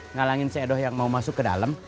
ngalangin cee doh yang mau masuk ke dalam